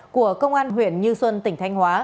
của công an huyện như xuân tỉnh thanh hóa